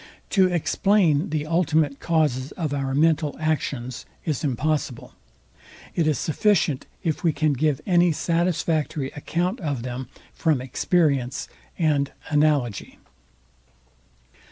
To explain the ultimate causes of our mental actions is impossible. It is sufficient, if we can give any satisfactory account of them from experience and analogy.